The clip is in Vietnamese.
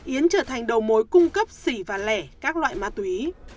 yến trở thành đầu mối cung cấp xỉ và lẻ các loại ma túy